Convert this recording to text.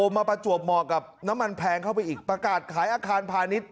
มาประจวบเหมาะกับน้ำมันแพงเข้าไปอีกประกาศขายอาคารพาณิชย